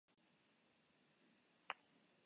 Su enumeración es un poco confusa.